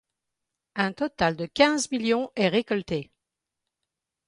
Un total de quinze millions est récolté.